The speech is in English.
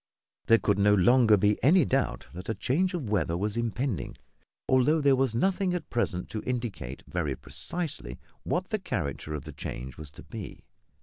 There could no longer be any doubt that a change of weather was impending, although there was nothing at present to indicate very precisely what the character of the change was to be.